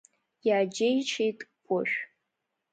Иааџьеишьеит Кәышә.